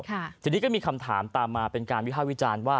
ทีนี้ก็มีคำถามตามมาเป็นการวิภาควิจารณ์ว่า